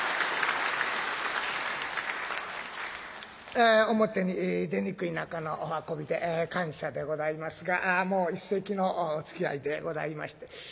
え表に出にくい中のお運びで感謝でございますがもう一席のおつきあいでございまして。